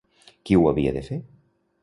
Qui ho havia de fer?